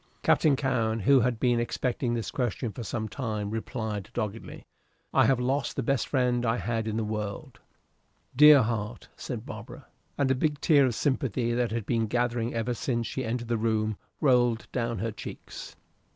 Captain Cowen, who had been expecting this question for some time, replied, doggedly, "I have lost the best friend I had in the world." "Dear heart!" said Barbara, and a big tear of sympathy, that had been gathering ever since she entered the room, rolled down her cheeks.